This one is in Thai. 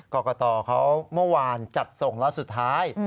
กรกตเขาเมื่อวานจัดส่งแล้วสุดท้าย